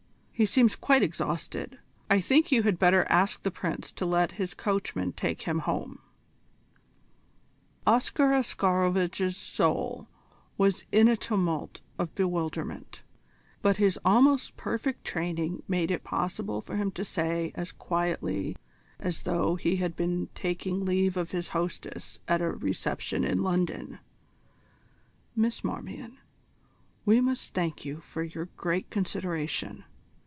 He seems quite exhausted. I think you had better ask the Prince to let his coachman take him home." Oscar Oscarovitch's soul was in a tumult of bewilderment, but his almost perfect training made it possible for him to say as quietly as though he had been taking leave of his hostess at a reception in London: "Miss Marmion, we must thank you for your great consideration.